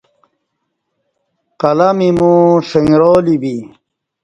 قلم ایمو ݜݣرالی بی